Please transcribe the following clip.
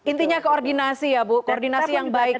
intinya koordinasi ya bu koordinasi yang baik